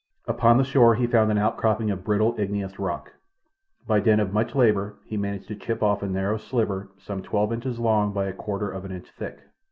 Upon the shore he found an out cropping of brittle, igneous rock. By dint of much labour he managed to chip off a narrow sliver some twelve inches long by a quarter of an inch thick.